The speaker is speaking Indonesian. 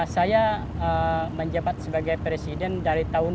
saya menjabat sebagai presiden dari tahun dua ribu